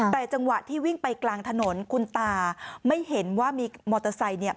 แต่จังหวะที่วิ่งไปกลางถนนคุณตาไม่เห็นว่ามีมอเตอร์ไซค์เนี่ย